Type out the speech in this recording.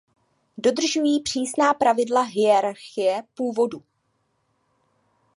Dodržují přísná pravidla hierarchie původu.